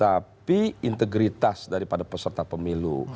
tapi integritas daripada peserta pemilu